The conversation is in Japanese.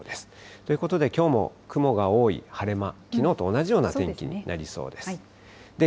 ということで、きょうも雲が多い晴れ間、きのうと同じような天気になりそうです。